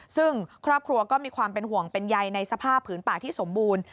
ซึ่งครอบครัวก็มีความเป็นห่วงเป็นใยในสภาพผืนป่าที่สมบูรณ์